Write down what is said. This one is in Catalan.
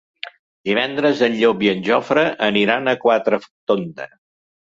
Divendres en Llop i en Jofre aniran a Quatretonda.